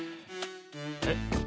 えっ？